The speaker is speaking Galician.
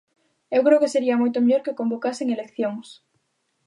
Eu creo que sería moito mellor que convocasen eleccións.